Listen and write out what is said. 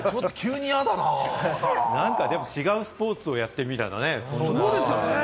なんかでも、違うスポーツをやってるみたいなね。